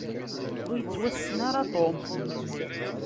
Ur yettwassen ara Tom.